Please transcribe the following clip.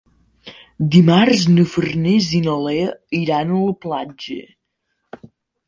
Dimarts na Farners i na Lea iran a la platja.